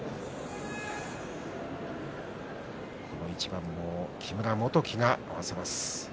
この一番も木村元基が合わせます。